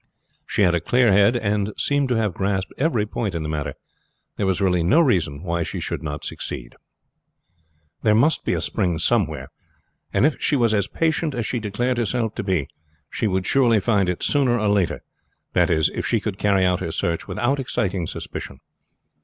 She had a clear head, and seemed to have grasped every point in the matter. There was really no reason why she should not succeed. There must be a spring somewhere, and if she was as patient as she declared herself to be, she would surely find it sooner or later; that is, if she could carry out her search without exciting suspicion.